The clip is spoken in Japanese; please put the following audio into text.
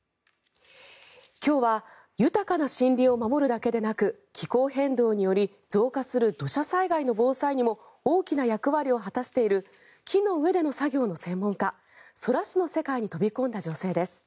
今日は豊かな森林を守るだけでなく気候変動により増加する土砂災害の防災にも大きな役割を果たしている木の上での作業の専門家空師の世界に飛び込んだ女性です。